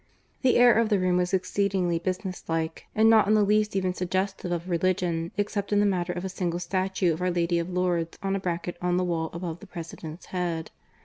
The air of the room was exceedingly business like, and not in the least even suggestive of religion, except in the matter of a single statue of Our Lady of Lourdes on a bracket on the wall above the President's head.